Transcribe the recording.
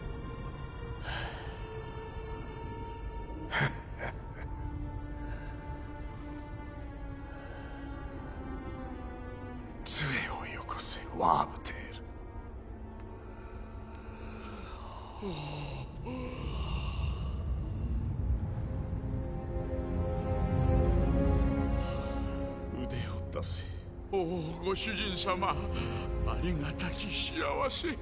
ハッハッハッ杖をよこせワームテール腕を出せおおご主人様ありがたき幸せ